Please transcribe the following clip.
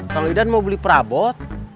kalau idan mau beli perabot